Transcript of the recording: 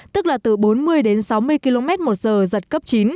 tức là từ bốn mươi đến sáu mươi km một giờ giật cấp chín